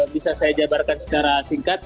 bisa saya jabarkan secara singkat